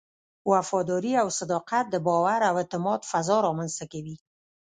وفاداري او صداقت د باور او اعتماد فضا رامنځته کوي.